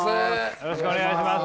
よろしくお願いします。